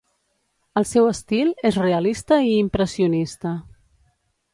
El seu estil és realista i impressionista.